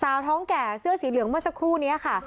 ท้องแก่เสื้อสีเหลืองเมื่อสักครู่นี้ค่ะ